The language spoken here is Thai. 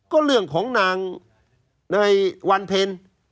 ก็เรื่องของนางในวันเพล